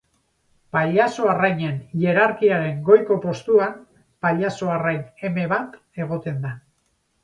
Pailazo-arrainen hierarkiaren goiko postuan pailazo-arrain eme bat egoten da.